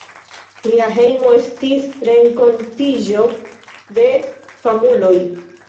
Lia hejmo estis renkontiĝo de famuloj.